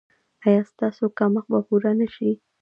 ایا ستاسو کمښت به پوره نه شي؟